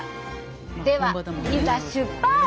ではいざ出発！